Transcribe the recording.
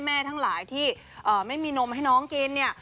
ทั้งหลายที่ไม่มีนมให้น้องกินเนี่ย